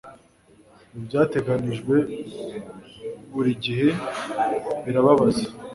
ibyateganijwe burigihe birababaza